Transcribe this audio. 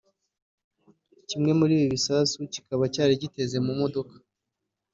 kimwe muri ibi bisasu kikaba cyari giteze ku mudoka